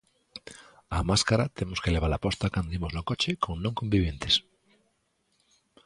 A máscara temos que levala posta cando imos no coche con non conviventes.